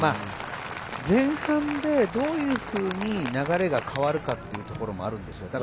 前半でどういうふうに流れが変わるかっていうところもあるんですよ。